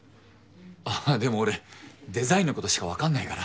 あでも俺デザインのことしかわかんないから。